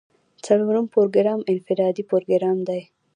څلورم پروګرام انفرادي پروګرام دی.